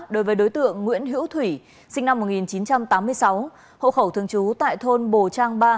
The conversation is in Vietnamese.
đối với đối tượng nguyễn hữu thủy sinh năm một nghìn chín trăm tám mươi sáu hộ khẩu thường trú tại thôn bồ trang ba